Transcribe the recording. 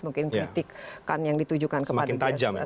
mungkin kritikkan yang ditujukan kepada dia